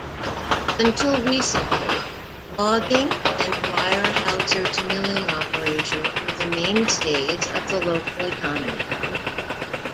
Until recently, logging and Weyerhaeuser's milling operations were the mainstays of the local economy.